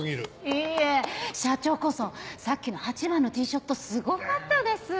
いいえ社長こそさっきの８番のティーショットすごかったです！